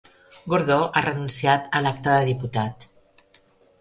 Gordó ha renunciat a l'acta de diputat